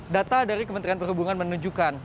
data dari kementerian perhubungan menunjukkan